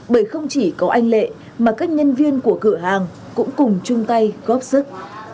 bởi không chỉ có anh lệ mà các nhân viên của cửa hàng cũng cùng chung tay góp sức